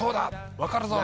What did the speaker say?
分かるぞ」